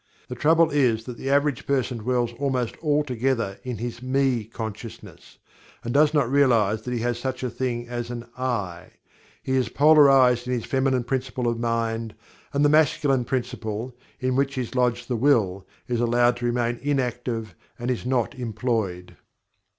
The trouble is that the average person dwells almost altogether in his "Me" consciousness and does not realize that he has such a thing as an "I." He is polarized in his Feminine Principle of Mind, and the Masculine Principle, in which is lodged the Will, is allowed to remain inactive and not employed.